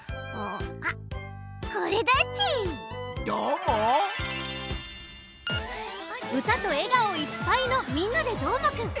うたとえがおいっぱいの「みんなＤＥどーもくん！」。